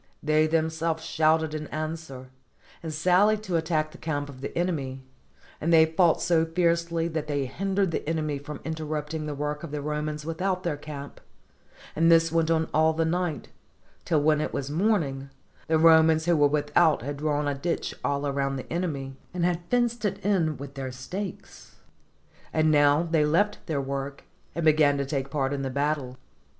They them selves shouted in answer, and sallied to attack the camp of the enemy; and they fought so fiercely that they hin dered the enemy from interrupting the work of the Romans without their camp; and this went on all the night, till when it was morning, the Romans who were without had drawn a ditch all round the enemy, and had fenced it with their stakes ; and now they left their work, and began to take part in the battle.